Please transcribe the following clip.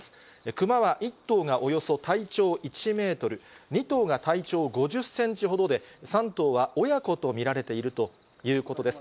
クマは１頭がおよそ体長１メートル、２頭が体長５０センチほどで、３頭は親子と見られているということです。